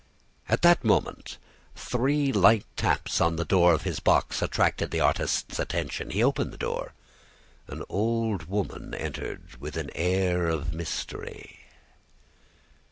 "At that moment, three light taps on the door of his box attracted the artist's attention. He opened the door. An old woman entered with an air of mystery.